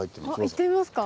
行ってみますか。